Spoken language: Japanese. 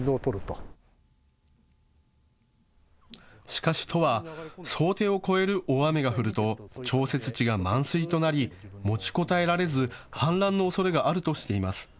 しかし都は、想定を超える大雨が降ると調節池が満水となり持ちこたえられず氾濫のおそれがあるとしています。